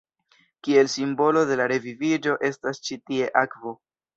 Kiel simbolo de la reviviĝo estas ĉi tie akvo.